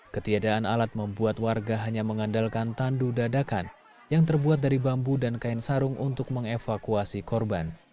ketiadaan alat membuat warga hanya mengandalkan tandu dadakan yang terbuat dari bambu dan kain sarung untuk mengevakuasi korban